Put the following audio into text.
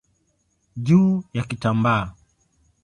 juu ya kitambaa.